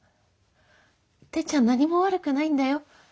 てっちゃん何も悪くないんだよ？